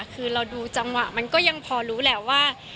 คือเราดูจังหวะมันก็ยังพอรู้แหละว่า